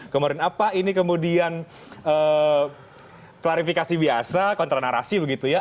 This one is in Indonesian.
kemarin apa ini kemudian klarifikasi biasa kontra narasi begitu ya